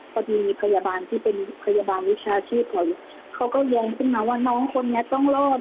พอดีพยาบาลที่เป็นพยาบาลวิชาชีพเขาเขาก็แย้งขึ้นมาว่าน้องคนนี้ต้องรอด